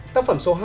tác phẩm số hai